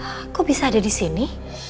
aku bisa ada disini